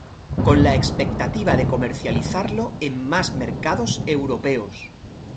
Con la expectativa de comercializarlo en más mercados europeos.